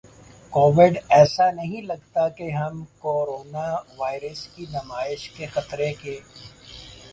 Covid ایسا نہیں لگتا کہ ہم کورونا وائرس کی نمائش کے خطرے ک